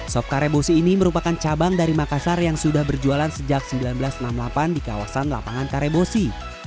sop karebosi ini merupakan cabang dari makassar yang sudah berjualan sejak seribu sembilan ratus enam puluh delapan di kawasan lapangan karebosi